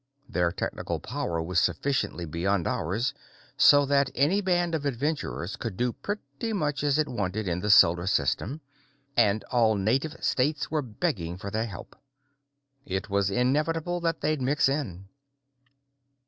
Their technical power was sufficiently beyond ours so that any band of adventurers could do pretty much as it wanted in the Solar System, and all native states were begging for their help. It was inevitable that they'd mix in.